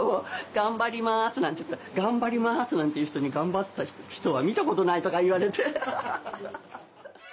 「頑張ります」なんて言うと「頑張りますなんて言う人に頑張った人は見たことない」とか言われて。